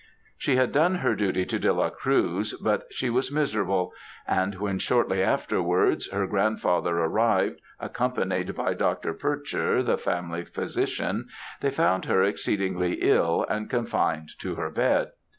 "She had done her duty to De la Cruz, but she was miserable; and when, shortly afterwards, her grandfather arrived, accompanied by Dr. Pecher, the family physician, they found her exceedingly ill, and confined to her bed.